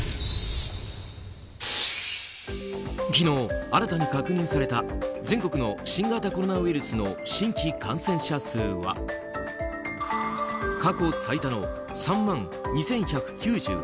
昨日、新たに確認された全国の新型コロナウイルスの新規感染者数は過去最多の３万２１９８人。